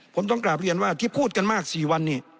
ผมต้องกลับเรียนว่าที่พูดกันมาก๔วันนี้